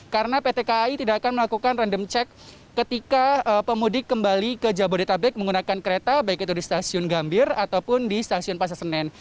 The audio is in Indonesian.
karena pt kai tidak akan melakukan random check ketika pemudik kembali ke jabodetabek menggunakan kereta baik itu di stasiun gambir ataupun di stasiun pasar senen